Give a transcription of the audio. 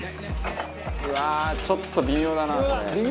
「うわーちょっと微妙だなこれ」